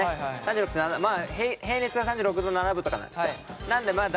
３６．７度平熱は３６度７分とかなんですよ。